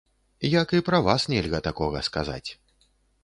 Як і пра вас нельга такога сказаць.